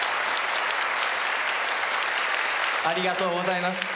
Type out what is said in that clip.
ありがとうございます。